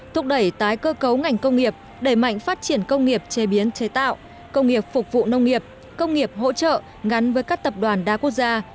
thúc đẩy tái cơ cấu ngành công nghiệp đẩy mạnh phát triển công nghiệp chế biến chế tạo công nghiệp phục vụ nông nghiệp công nghiệp hỗ trợ gắn với các tập đoàn đa quốc gia